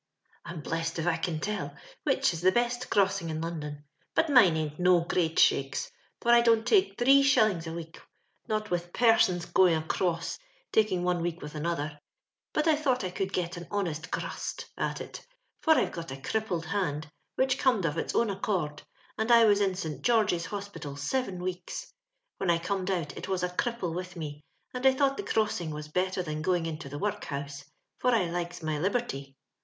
I'm blest if I can tell which is Uio best crossing in London ; but mine ain't no great shakes, for I don't tixke three Bhilliog a^week not with persons going across, take one week with another ; but I thought I could get a ho nest currust (crnst) at it, for I've got a crip pled hand, wliich corned of its own accord, and I was in St. George's Hospital seven weeks. When I comed out it was a cripple with me, and I thought tlie crossing was better than going into the workhouse — for I likes my liU'rty.